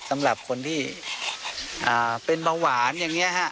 สำหรับคนที่เป็นเบาหวานอย่างนี้ฮะ